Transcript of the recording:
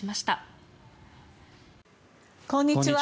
こんにちは。